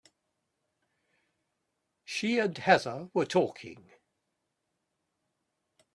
She and Heather were talking.